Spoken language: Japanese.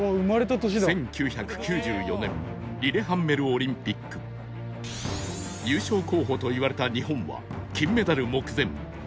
１９９４年リレハンメルオリンピック優勝候補といわれた日本は金メダル目前